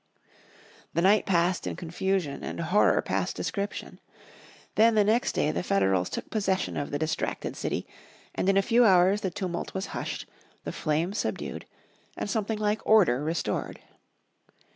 The night passed in confusion and horror past description. Then the next day the Federals took possession of the distracted city, and in a few hours the tumult was hushed, the flames subdued, and something like order restored.